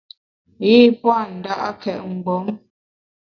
Yi pua’ nda’két mgbom.